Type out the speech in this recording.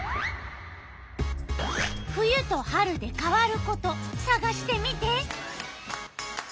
冬と春で変わることさがしてみて！